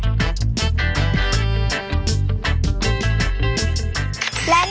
เพราะว่าผักหวานจะสามารถทำออกมาเป็นเมนูอะไรได้บ้าง